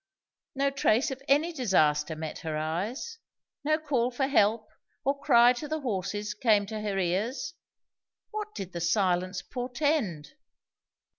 No trace of any disaster met her eyes; no call for help or cry to the horses came to her ears; what did the silence portend?